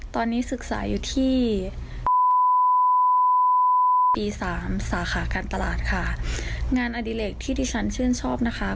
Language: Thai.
ตอนนี้ศึกษาอยู่ที่ปีสามสาขาการตลาดค่ะงานอดิเล็กที่ที่ฉันชื่นชอบนะคะ